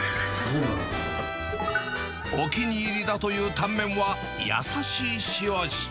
お気に入りだというタンメンは優しい塩味。